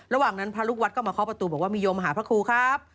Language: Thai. ระหว่างนั้นพระลูกวัดก็มาเคาะประตูบอกว่ามีโยมหาพระครูครับ